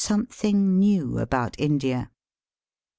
SOMETHING NEW ABOUT INDIA.